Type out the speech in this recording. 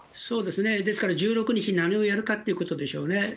そうですね、ですから１６日何をやるかっていうことでしょうね。